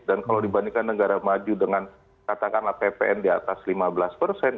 kalau dibandingkan negara maju dengan katakanlah ppn di atas lima belas persen